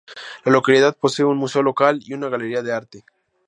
La localidad posee un museo local y una galería de arte.